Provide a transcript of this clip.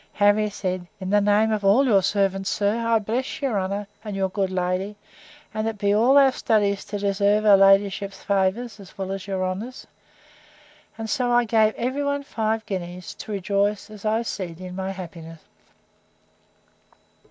Harry said, In the names of all your servants, sir, I bless your honour, and your good lady: and it shall be all our studies to deserve her ladyship's favours, as well as your honour's. And so I gave every one five guineas, to rejoice, as I said, in my happiness.